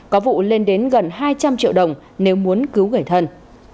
có vụ lên đến gần hai trăm linh triệu đồng nếu muốn cứu người thân